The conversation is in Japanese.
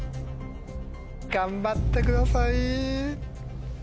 頑張ってください。